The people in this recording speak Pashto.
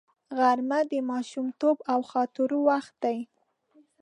غرمه د ماشومتوب د خاطرو وخت دی